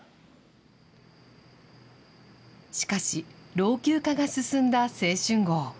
しかし、老朽化が進んだ青春号。